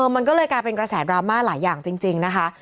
มันก็เลยกลายเป็นกระแสดราม่าหลายอย่างจริงนะคะ